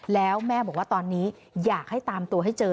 แล้วแม่บอกว่าตอนนี้อยากให้ตามตัวให้เจอ